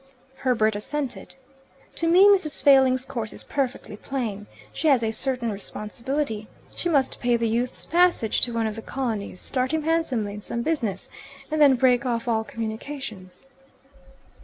Herbert assented. "To me Mrs. Failing's course is perfectly plain. She has a certain responsibility. She must pay the youth's passage to one of the colonies, start him handsomely in some business, and then break off all communications."